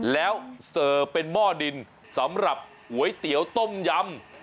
แล้วเสิร์ฟเป็นหม้อดินสำหรับก๋วยเตี๋ยวต้มยำ